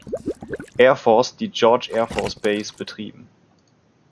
Air Force die "George Air Force Base" betrieben.